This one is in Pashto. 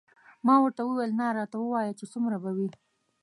ما ورته وویل نه راته ووایه چې څومره به وي.